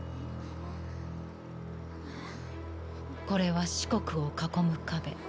これは四国を囲む壁。